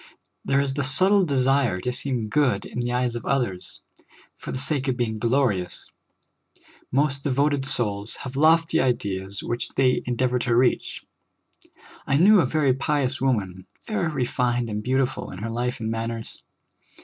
There is the subtle desire to seem good in the eyes of others, for the sake of being glorious ; most devoted souls have lofty ideals which they endeavor to reach. I knew a very pious woman, very refined and beautiful in her life and manners.